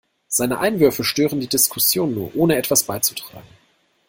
Seine Einwürfe stören die Diskussion nur, ohne etwas beizutragen.